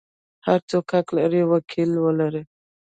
هر څوک حق لري وکیل ولري.